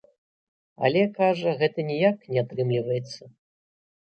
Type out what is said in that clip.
Але, кажа, гэта ніяк не атрымліваецца.